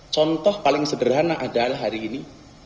contoh paling sederhana adalah hari ini